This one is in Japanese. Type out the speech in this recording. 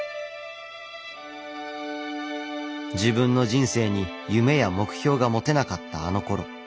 自分の人生に夢や目標が持てなかったあのころ。